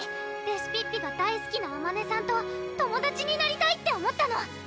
レシピッピが大すきなあまねさんと友達になりたいって思ったの！